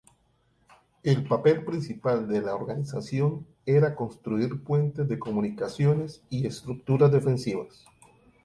El papel principal de la organización era construir puentes de comunicaciones y estructuras defensivas.